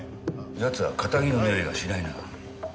奴は堅気のにおいがしないな。